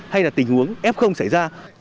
hay là tình huống f xảy ra